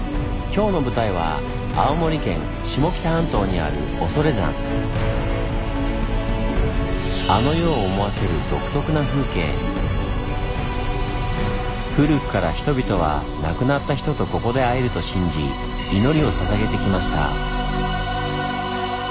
今日の舞台は青森県下北半島にあるあの世を思わせる古くから人々は亡くなった人とここで会えると信じ祈りをささげてきました。